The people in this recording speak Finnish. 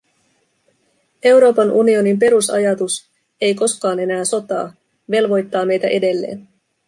Euroopan unionin perusajatus – ei koskaan enää sotaa – velvoittaa meitä edelleen.